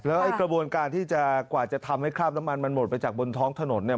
ไอ้กระบวนการที่จะกว่าจะทำให้คราบน้ำมันมันหมดไปจากบนท้องถนนเนี่ย